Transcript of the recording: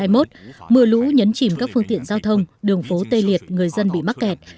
mưa lũ nhấn chìm các phương tiện giao thông đường phố tê liệt người dân bị mắc kẹt